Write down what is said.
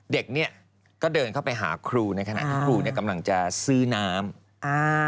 เด็กเนี่ยก็เดินเข้าไปหาครูในขณะที่ครูเนี่ยกำลังจะซื้อน้ำอ่า